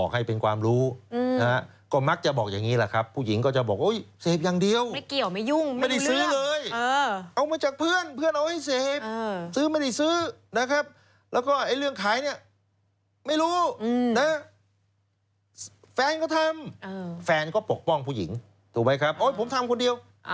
แล้วแบบนี้คือเขาจะสรริษฐานกันอย่างไร